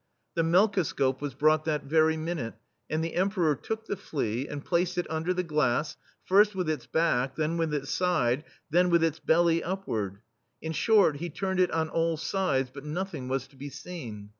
The melkoscope was brought that very minute, and the Emperor took the fiea, and placed it under the glass, first with its back, then with its side, then with its belly upward, — in short, he turned it on all sides, but nothing was to be seen.